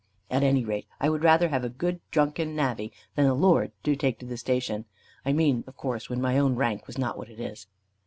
At any rate I would rather have a good drunken navvy than a lord to take to the station. I mean of course when my own rank was not what it is."